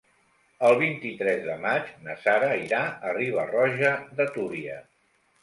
El vint-i-tres de maig na Sara irà a Riba-roja de Túria.